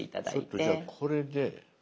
ちょっとじゃあこれで。